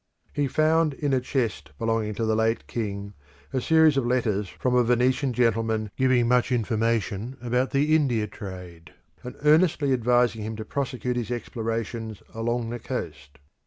He found in a chest belonging to the late king a series of letters from a Venetian gentleman giving much information about the India trade, and earnestly advising him to prosecute his explorations along the coast.